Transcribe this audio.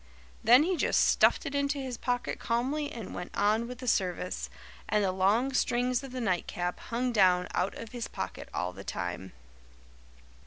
Then he just stuffed it into his pocket calmly and went on with the service, and the long strings of the nightcap hung down out of his pocket all the time."